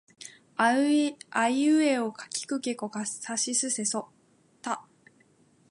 あいうえおかきくけこさしすせそた